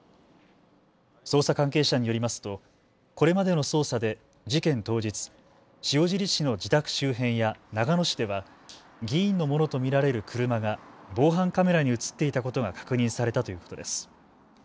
捜査関係者によりますとこれまでの捜査で事件当日、塩尻市の自宅周辺や長野市では議員のものと見られる車が防犯カメラに写っていたことが確認されたということです。